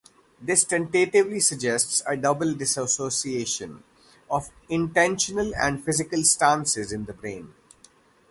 This tentatively suggests a double dissociation of intentional and physical stances in the brain.